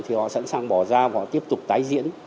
thì họ sẵn sàng bỏ ra và họ tiếp tục tái diễn